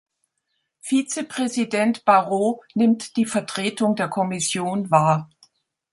Vizepräsident Barrot nimmt die Vertretung der Kommission wahr.